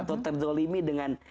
atau terdolimi dengan